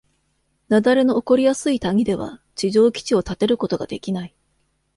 雪崩の起こりやすい谷では、地上基地を建てることができない。